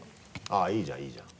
あぁいいじゃんいいじゃん。